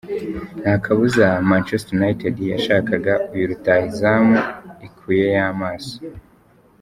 Nta kabuza Manchester United yashakaga uyu rutahizamu ikuyeyo amaso.